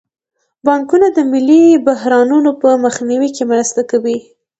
بانکونه د مالي بحرانونو په مخنیوي کې مرسته کوي.